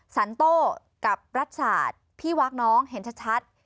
สันโต้กับรัฐศาสตร์พี่วักน้องเห็นชัด